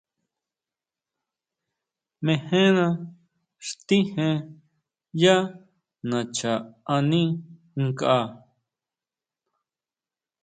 Mejena xtíjen yá nacha ani nkʼa.